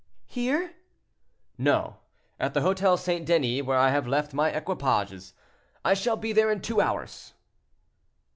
"—"Here?" "No; at the Hotel St. Denis, where I have left my equipages. I shall be there in two hours."